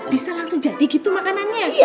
bisa langsung jadi gitu makanannya